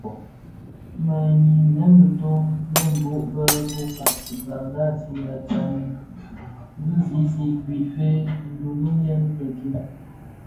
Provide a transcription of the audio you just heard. Me nyisen biton bedho bë bōka ghaksiya stamen bi zi I Guife, nduduyèn dhi bëk-ke.